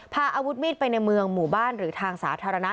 พาอาวุธมีดไปในเมืองหมู่บ้านหรือทางสาธารณะ